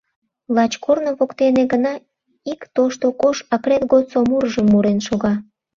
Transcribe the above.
Лач корно воктене гына ик тошто кож акрет годсо мурыжым мурен шога.